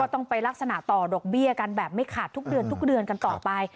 ต้องไปลักษณะต่อดอกเบี้ยกันแบบไม่ขาดทุกเดือนทุกเดือนกันต่อไป